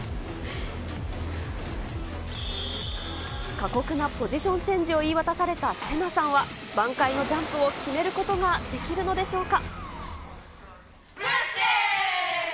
過酷なポジションチェンジを言い渡されたセナさんは、挽回のジャンプを決めることができるのでしょうか。